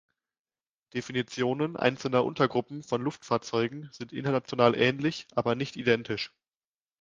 Definitionen einzelner Untergruppen von Luftfahrzeugen sind international ähnlich, aber nicht identisch.